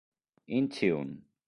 In Tune